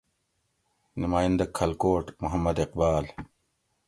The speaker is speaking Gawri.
نمائندہ کھلکوٹ: محمد اقبال